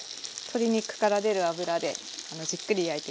鶏肉から出る脂でじっくり焼いて下さい。